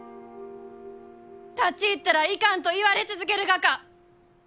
「立ち入ったらいかん」と言われ続けるがか？